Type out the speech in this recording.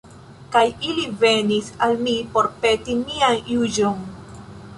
Kaj ili venis al mi por peti mian juĝon.